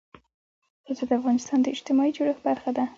پسه د افغانستان د اجتماعي جوړښت برخه ده.